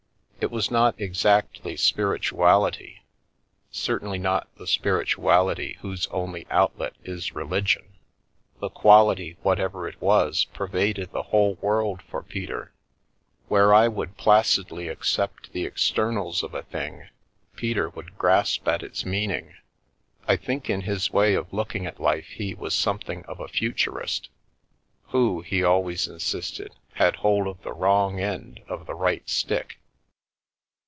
It was not exactly spirituality— certainly not the spirituality whose only outlet is religion — the quality, whatever it was, pervaded the whole world for Peter. Where I Some Talk and a New Toy would placidly accept the externals of a thing, Peter would grasp at its meaning ; I think in his way of looking at life he was something of a futurist, who, he always insisted, had hold of the wrong end of the right stick.